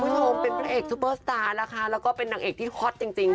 คุณผู้ชมเป็นพระเอกซุปเปอร์สตาร์นะคะแล้วก็เป็นนางเอกที่ฮอตจริง